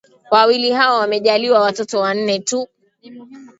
Wawili hao wamejaliwa watoto wanne tu